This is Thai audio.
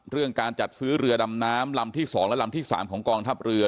การจัดซื้อเรือดำน้ำลำที่๒และลำที่๓ของกองทัพเรือ